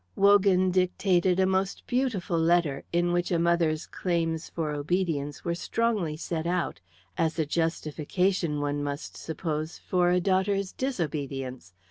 Wogan dictated a most beautiful letter, in which a mother's claims for obedience were strongly set out as a justification, one must suppose, for a daughter's disobedience.